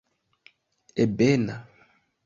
ebena